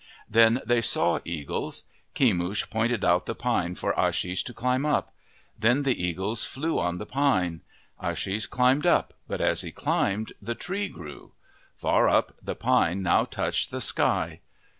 Then they saw eagles. Kemush pointed out the pine for Ashish to climb up. Then the eagles flew on the pine. Ashish climbed up, but as he climbed the tree grew. Far up, the pine now touched the sky.